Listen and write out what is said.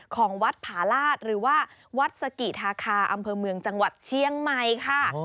ของวัดผาลาศหรือว่าวัดสกิธาคาอำเภอเมืองจังหวัดเชียงใหม่ค่ะ